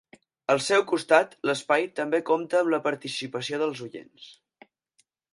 Al seu costat, l'espai també compta amb la participació dels oients.